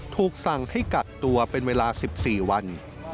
ถูกสั่งให้กักตัวเป็นเวลา๑๔วัน